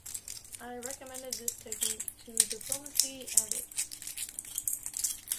I recommend this technique to "Diplomacy" addicts.